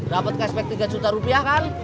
dapat cashback tiga juta rupiah kan